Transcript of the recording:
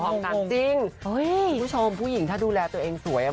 คุณผู้ชมผู้หญิงถ้าดูแลตัวเองสวย